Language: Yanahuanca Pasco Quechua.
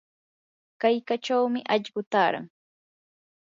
qallqachawmi aylluu taaran.